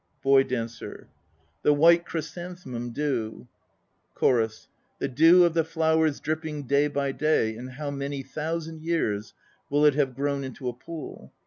BOY DANCER. The white chrysanthem dew, CHORUS. "The dew of the flowers dripping day by day In how many thousand years Will it have grown into a pool?"